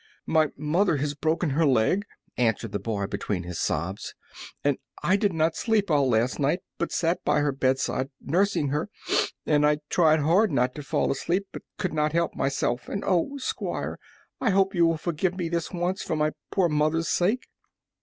"My mother has broken her leg," answered the boy, between his sobs, "and I did not sleep all last night, but sat by her bedside nursing her. And I tried hard not to fall asleep, but could not help myself; and oh, Squire! I hope you will forgive me this once, for my poor mother's sake!"